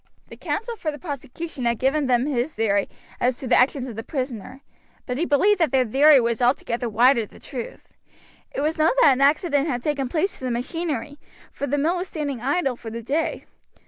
The counsel for the prosecution had given them his theory as to the actions of the prisoner, but he believed that that theory was altogether wide of the truth. It was known that an accident had taken place to the machinery, for the mill was standing idle for the day.